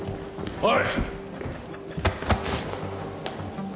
おい！